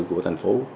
của thành phố